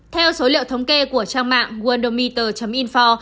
theo số liệu thống kê của trang mạng worldometer info